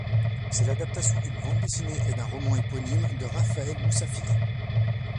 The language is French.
C'est l'adaptation d'une bande dessinée et d'un roman éponyme de Raphaële Moussafir.